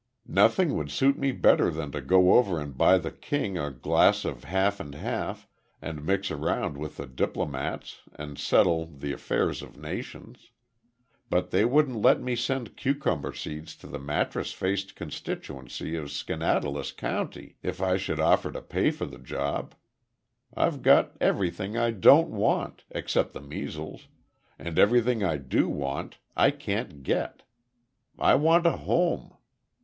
Nothing would suit me better than to go over and buy the king a glass of half and half and mix around with the diplomats and settle the affairs of nations. But they wouldn't let me send cucumber seeds to the mattress faced constituency of Skaneateles county if I should offer to pay for the job. I've got everything I don't want except the measles and everything I do want, I can't get. I want a home.